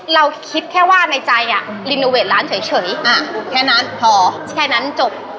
เราคิดแค่ว่าในใจรีโนเวทร้านเฉยแค่นั้นพอแค่นั้นจบ